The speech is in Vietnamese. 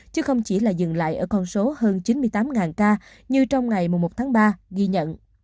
chứ không chỉ là dừng lại ở con số hơn chín mươi tám ca như trong ngày một tháng ba ghi nhận